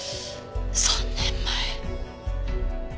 ３年前。